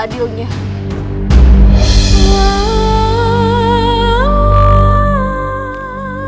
aku akan menerima hukuman atas kesalahanku